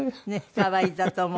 可愛いんだと思う。